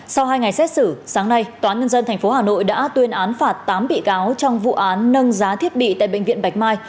sau hai ngày xét xử sáng nay tòa nhân dân tp hà nội đã tuyên án phạt tám bị cáo trong vụ án nâng giá thiết bị tại bệnh viện bạch mai